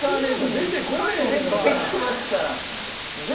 出てきますから！